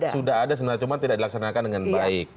sudah ada sebenarnya cuma tidak dilaksanakan dengan baik